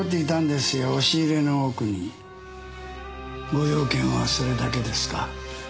ご用件はそれだけですか？